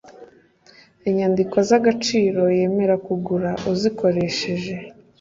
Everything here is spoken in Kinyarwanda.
inyandiko z'agaciro yemera kugura uzikoresheje